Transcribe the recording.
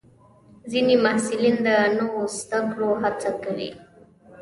ځینې محصلین د نوو زده کړو هڅه کوي.